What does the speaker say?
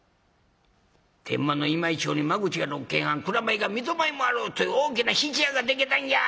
『天満の今井町に間口が６間半蔵米が三戸前もあろうという大きな質屋がでけたんや』。